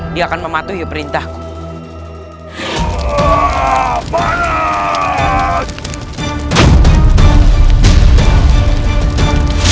dia akan mematuhi perintahku